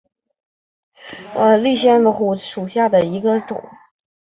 理县虎耳草为虎耳草科虎耳草属下的一个种。